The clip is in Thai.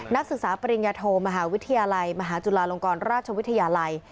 นักศึกษาปริญญาโทมหาวิทยาลัยมหาจุฬาลงกรราชวิทยาลัย